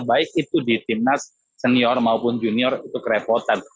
baik itu di timnas senior maupun junior itu kerepotan